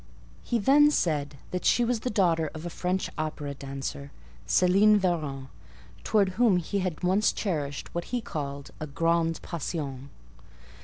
He then said that she was the daughter of a French opera dancer, Céline Varens, towards whom he had once cherished what he called a "grande passion."